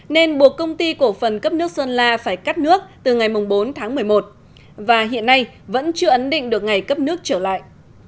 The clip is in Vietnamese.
nên buộc công ty cổ phần cấp nước sơn la phải cắt nước từ ngày bốn tháng một mươi một và hiện nay vẫn chưa ấn định được ngày cấp nước trở lại